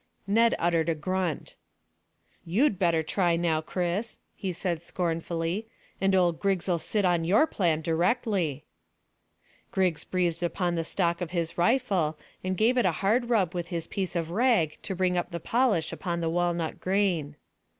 Ned uttered a grunt. "You'd better try now, Chris," he said scornfully, "and old Griggs'll sit upon your plan directly." Griggs breathed upon the stock of his rifle, and gave it a hard rub with his piece of rag to bring up the polish upon the walnut grain.